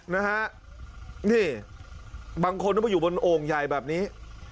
นะฮะนี่บางคนต้องไปอยู่บนโอ่งใหญ่แบบนี้